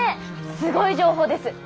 すごい情報ですッ。